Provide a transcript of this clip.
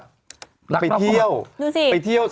ลักลอบไปมาไปเที่ยว